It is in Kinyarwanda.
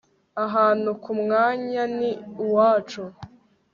Ahantu kumwanya ni uwacu